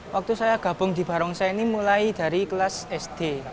waktu saya gabung di barongsai ini mulai dari kelas sd